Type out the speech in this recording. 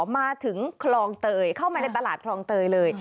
มาถึงคลองเตยเข้ามาในตลาดคลองเตยเลย